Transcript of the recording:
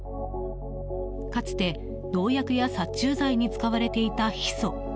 かつて、農薬や殺虫剤に使われていたヒ素。